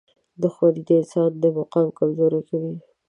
• دښمني د انسان مقام کمزوری کوي.